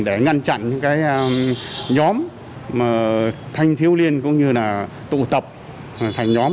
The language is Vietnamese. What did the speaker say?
để ngăn chặn những nhóm thanh thiếu liên cũng như tụ tập thành nhóm